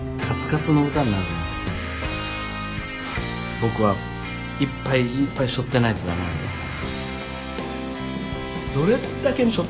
僕はいっぱいいーーっぱい背負ってないとだめなんですよ。